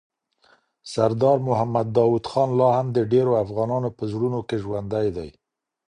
سردار محمد داود خان لا هم د ډېرو افغانانو په زړونو کي ژوندی دی.